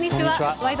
「ワイド！